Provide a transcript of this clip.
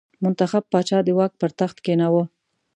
منتخب پاچا د واک پر تخت کېناوه.